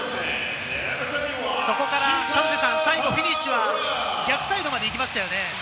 そこからフィニッシュは逆サイドまで行きましたね。